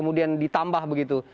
atau ada yang ditambah begitu